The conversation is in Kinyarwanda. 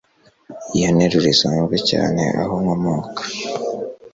Iyo nteruro isanzwe cyane aho nkomoka.